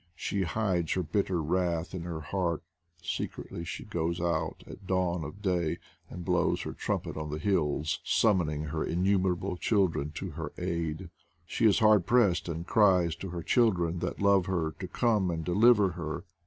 She hides her bitter wrath in her heart, secretly she goes out at dawn of day and blows her trumpet 88 IDLE DATS IN PATAGONIA on the Mils, summoning her innumerable children to her aid. She is hard pressed and cries to her children that love her to come and deliver her.